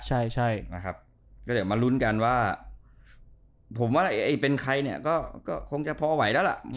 ที่สุดและใช่